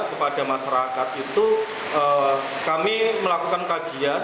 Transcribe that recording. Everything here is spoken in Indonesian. kepada masyarakat itu kami melakukan kajian